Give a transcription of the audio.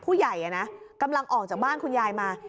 ผู้ใหญ่กำลังออกจากบ้านคุณยายมา